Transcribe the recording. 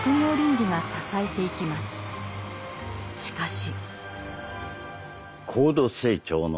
しかし。